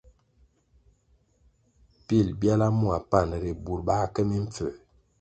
Pil byala mua panʼ ri, burʼ bā ke mimpfū.